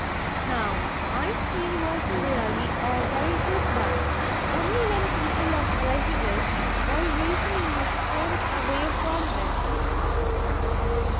Now my scheme was really a very good one, only when people are prejudiced, all reasoning is thrown away upon them.